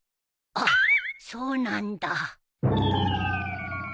あっそうなんだ。